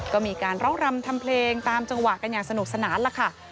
ก็มีการร้องรำทำเพลงตามจังหวะกันอย่างสนุกสนานล่ะค่ะ